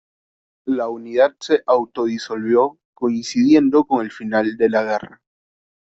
La unidad se autodisolvió coincidiendo con el final de la guerra.